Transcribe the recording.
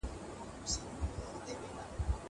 زه اوږده وخت درسونه اورم وم!!